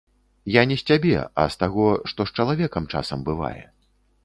Я не з цябе, а з таго, што з чалавекам часам бывае.